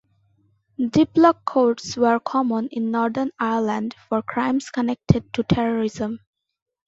Diplock courts were common in Northern Ireland for crimes connected to terrorism.